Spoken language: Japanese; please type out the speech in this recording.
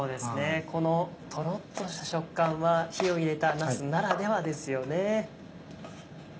このトロっとした食感は火を入れたなすならではですよね。